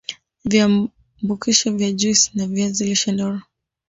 Viambaupishi vya juisi ya viazi lishe